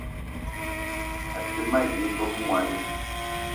A te ma yi ve mwoani